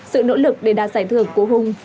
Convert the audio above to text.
sự nỗ lực để đạt giải thưởng của hùng